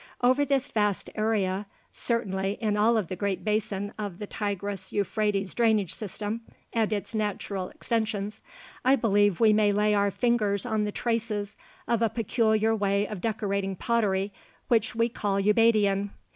Over this vast area certainly in all of the great basin of the Tigris Euphrates drainage system and its natural extensions I believe we may lay our fingers on the traces of a peculiar way of decorating pottery, which we call Ubaidian.